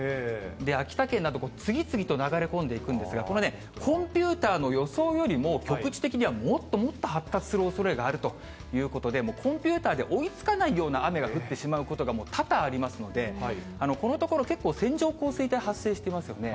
秋田県など、次々と流れ込んでいくんですが、これね、コンピューターの予想よりも、局地的にはもっともっと発達するおそれがあるということで、コンピューターで追いつかないような雨が降ってしまうことが、もう多々ありますので、このところ、結構、線状降水帯発生してますよね。